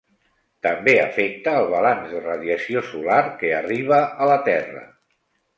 També afecta el balanç de radiació solar que arriba a la Terra.